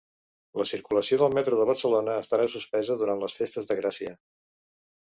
La circulació del Metro de Barcelona estarà suspesa durant les festes de Gràcia